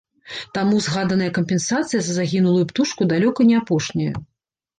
Таму згаданая кампенсацыя за загінулую птушку далёка не апошняя.